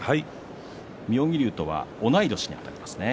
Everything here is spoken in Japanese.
妙義龍とは同い年にあたりますね。